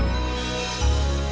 terima kasih sil